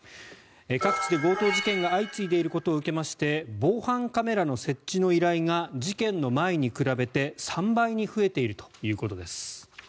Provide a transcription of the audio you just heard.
各地で強盗事件が相次いでいることを受けまして防犯カメラの設置の依頼が事件の前に比べて３倍に増えているということです。